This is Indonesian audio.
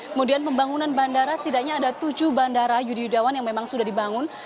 kemudian pembangunan bandara setidaknya ada tujuh bandara yudi yudawan yang memang sudah dibangun